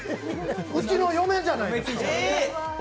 うちの嫁じゃないですか。